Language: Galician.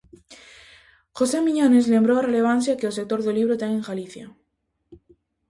José Miñones lembrou a relevancia que o sector do libro ten en Galicia.